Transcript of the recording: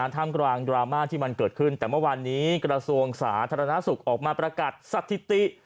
ท่ามกลางดราม่าที่มันเกิดขึ้นแต่เมื่อวานนี้กระทรวงสาธารณสุขออกมาประกาศสถิติ